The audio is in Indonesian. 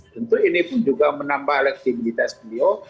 tentu ini pun juga menambah elektibilitas beliau